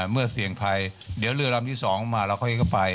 เมื่อเสี่ยงภัยเดี๋ยวเรือลำที่๒มาเราก็เองก็ไป